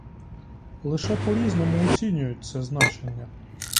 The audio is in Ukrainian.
Лише по-різному оцінюють це значення.